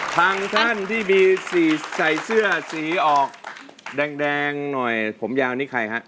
ทางท่านที่มีสีใส่เสื้อสีออกแดงหน่อยผมยาวนี่ใครฮะ